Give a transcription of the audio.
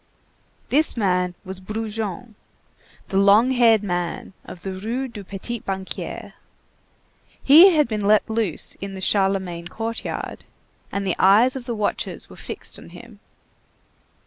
This man was Brujon, the long haired man of the Rue du Petit Banquier. He had been let loose in the Charlemagne courtyard, and the eyes of the watchers were fixed on him.